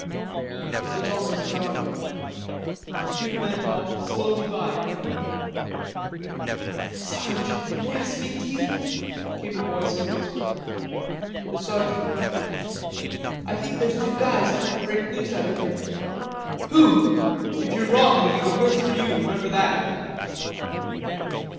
It was almost dark. Two men walked slowly by in front of him. "Sarge, may I speak to you?" came a voice in a whisper. The sergeant grunted. "I think there's two guys trying to break loose out of here." "Who? If you're wrong it'll be the worse for you, remember that."